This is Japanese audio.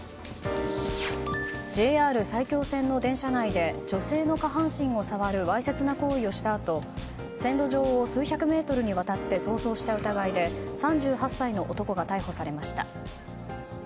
ＪＲ埼京線の電車内で女性の下半身を触るわいせつな行為をしたあと線路上を数百メートルにわたって逃走した疑いで３８歳の男が逮捕されました。